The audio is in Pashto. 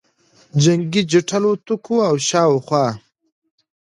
جنګي جټ الوتکو او شاوخوا